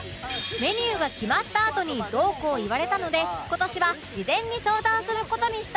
メニューが決まったあとにどうこう言われたので今年は事前に相談する事にしたんですが